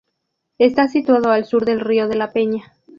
Está situado al sur del río de la Peña.